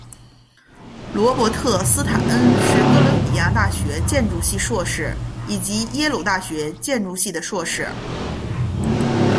罗伯特斯坦恩是哥伦比亚大学建筑系硕士以及耶鲁大学建筑系的硕士。